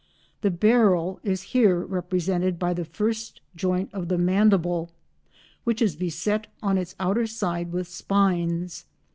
The barrel is here represented by the first joint of the mandible which is beset on its outer side with spines.